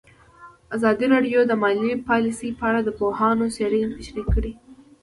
ازادي راډیو د مالي پالیسي په اړه د پوهانو څېړنې تشریح کړې.